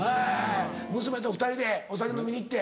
娘と２人でお酒飲みに行って。